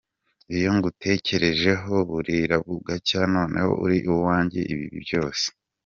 Iyo ngutekerejeho burira bugacya, noneho uri uwanjye ibihe byose, ….